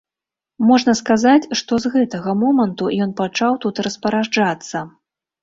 Можна сказаць, што з гэтага моманту ён пачаў тут распараджацца.